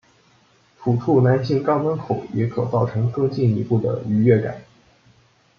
抚触男性肛门口也可造成更进一步的愉悦感。